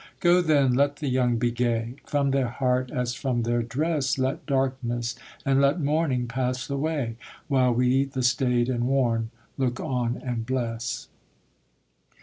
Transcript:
Go, then, let the young be gay; From their heart as from their dress Let darkness and let mourning pass away, While we the staid and worn look on and bless.